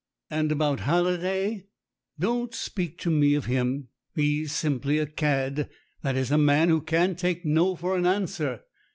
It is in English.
"And about Halliday?" "Don't speak to me of him. He's simply a cad that is, a man who can't take no for an answer.